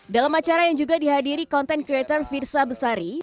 dalam acara yang juga dihadiri content creator firsa besari